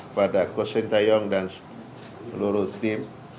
pada coach sintayong dan seluruh tim